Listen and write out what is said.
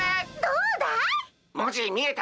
どうだい？